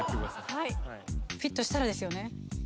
はいフィットしたらですよね。